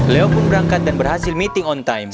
leo pun berangkat dan berhasil meeting on time